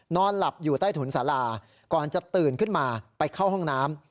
นอนหลับอยู่ใต้ถุนสาราก่อนจะตื่นขึ้นมาไปเข้าห้องน้ำ